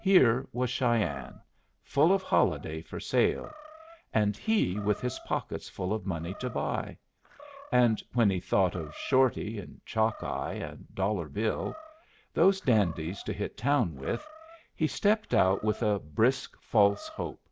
Here was Cheyenne, full of holiday for sale, and he with his pockets full of money to buy; and when he thought of Shorty, and Chalkeye, and Dollar Bill, those dandies to hit a town with, he stepped out with a brisk, false hope.